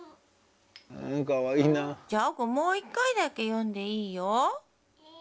じゃあもう一回だけ読んでいいよ。いいよ。